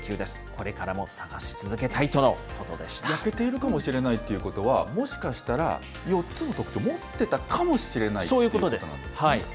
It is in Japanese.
これからも探し続けたいとのこと焼けているかもしれないということは、もしかしたら４つの特徴、持ってたかもしれないっていそういうことです。